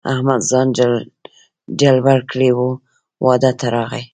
احمد ځان جلبل کړی وو؛ واده ته راغی.